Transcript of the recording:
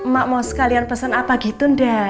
mak mau sekalian pesen apa gitu nda